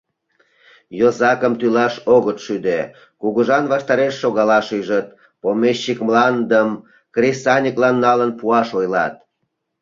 Йозакым тӱлаш огыт шӱдӧ, кугыжан ваштареш шогалаш ӱжыт, помещик мландым кресаньыклан налын пуаш ойлат.